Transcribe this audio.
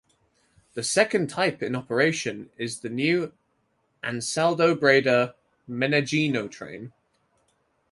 The second type in operation is the new AnsaldoBreda "Meneghino" train.